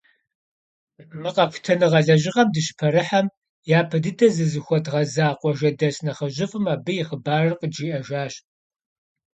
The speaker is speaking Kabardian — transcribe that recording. Мы къэхутэныгъэ лэжьыгъэм дыщыпэрыхьэм, япэ дыдэ зызыхуэдгъэза къуажэдэс нэхъыжьыфӏым абы и хъыбарыр къыджиӏэжащ.